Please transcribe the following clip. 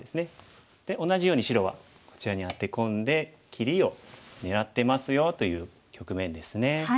で同じように白はこちらにアテ込んで切りを狙ってますよという局面ですね。